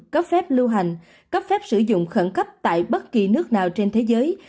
cấp phép lưu hành cấp phép sử dụng khẩn cấp tại bất kỳ nước nào trên thế giới